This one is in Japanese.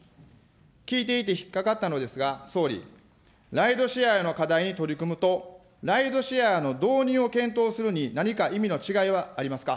聞いていて引っ掛かったのですが、総理、ライドシェアへの課題に取り組むと、ライドシェアの導入を検討するに、何か意味の違いはありますか。